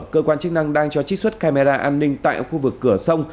cơ quan chức năng đang cho trích xuất camera an ninh tại khu vực cửa sông